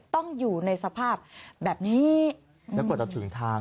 ต้องอยู่ในสภาพแบบนี้แล้วกว่าจะถึงทาง